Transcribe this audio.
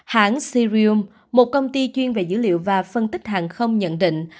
hãng sirium một công ty chuyên về dữ liệu và phân tích hàng không nhận định